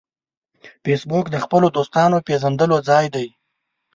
فېسبوک د خپلو دوستانو پېژندلو ځای دی